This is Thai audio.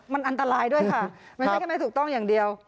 มันอันตรายด้วยค่ะมันไม่ใช่แค่ไม่ถูกต้องอย่างเดียว